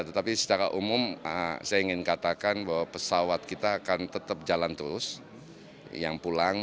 tetapi secara umum saya ingin katakan bahwa pesawat kita akan tetap jalan terus yang pulang